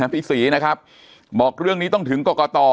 พี่ศรีนะครับบอกเรื่องนี้ต้องถึงกรกต